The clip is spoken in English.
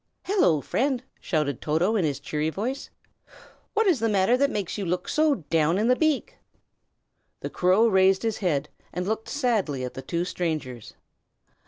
"Hello, friend!" shouted Toto, in his cheery voice. "What is the matter that you look so down in the beak?" The crow raised his head, and looked sadly at the two strangers.